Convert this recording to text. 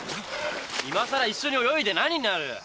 今さら一緒に泳いで何になる。